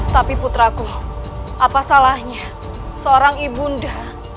tapi puteraku apa salahnya seorang ibu nda